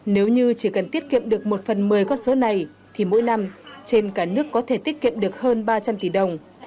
nếu như chỉ cần tiết kiệm được một phần một mươi con số này thì mỗi năm trên cả nước có thể tiết kiệm được hơn ba trăm linh tỷ đồng